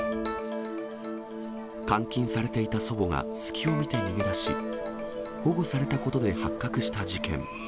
監禁されていた祖母が隙を見て逃げ出し、保護されたことで発覚した事件。